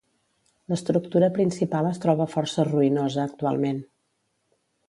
L'estructura principal es troba força ruïnosa actualment.